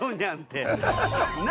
何？